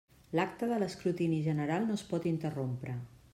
L'acte de l'escrutini general no es pot interrompre.